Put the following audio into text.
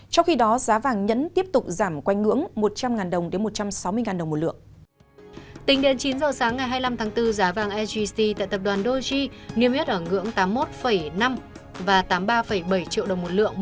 trong khi đó giá vàng nhẫn tiếp tục giảm quanh ngưỡng một trăm linh đồng đến một trăm sáu mươi đồng một lượng